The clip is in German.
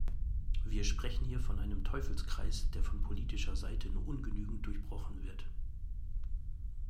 Wir sprechen hier von einem Teufelskreis, der von politischer Seite nur ungenügend durchbrochen wird.